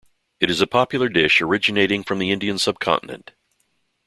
It is a popular dish originating from the Indian subcontinent.